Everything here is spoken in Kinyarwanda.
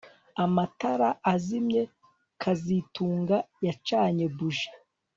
Amatara azimye kazitunga yacanye buji